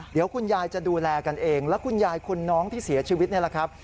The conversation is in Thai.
เดี๋ยวคุณยายจะดูแลกันเองแล้วคุณยายคนน้องที่เสียชีวิตนี่แหละครับ